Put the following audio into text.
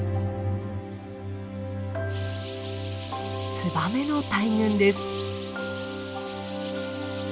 ツバメの大群です。